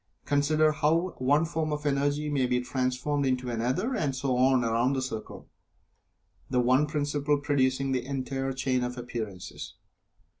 Consider how one form of Energy may be transformed into another, and so on around the circle, the one principle producing the entire chain of appearances.